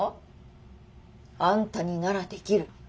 あんたにならできる。